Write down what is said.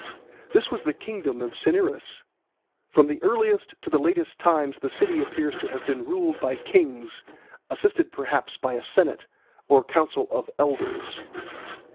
This was the kingdom of Cinyras. From the earliest to the latest times the city appears to have been ruled by kings, assisted perhaps by a senate or council of elders.